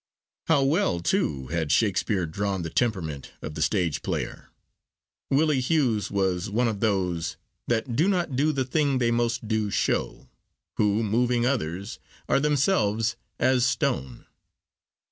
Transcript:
How well, too, had Shakespeare drawn the temperament of the stage player! Willie Hughes was one of those That do not do the thing they most do show, Who, moving others, are themselves as stone.